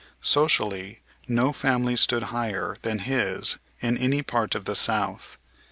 Socially no family stood higher than his in any part of the South.